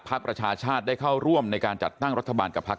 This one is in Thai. ประชาชาติได้เข้าร่วมในการจัดตั้งรัฐบาลกับพัก